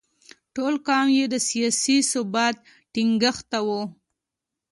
ټول پام یې د سیاسي ثبات ټینګښت ته و.